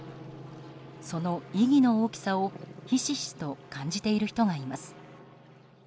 その意義の大きさを、ひしひしと感じている人がいます。